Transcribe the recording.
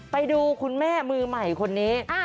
ไปดูคุณแม่มือใหม่คนนี้